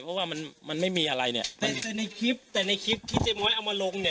เพราะว่ามันมันไม่มีอะไรเนี่ยในคลิปแต่ในคลิปที่เจ๊ม้อยเอามาลงเนี่ย